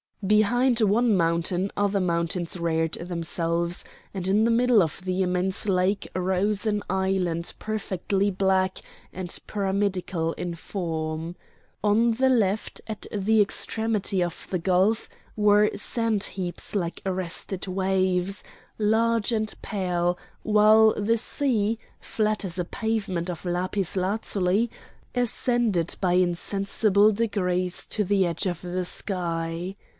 Behind one mountain other mountains reared themselves, and in the middle of the immense lake rose an island perfectly black and pyramidal in form. On the left, at the extremity of the gulf, were sand heaps like arrested waves, large and pale, while the sea, flat as a pavement of lapis lazuli, ascended by insensible degrees to the edge of the sky.